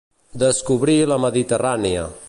Descobrir la Mediterrània.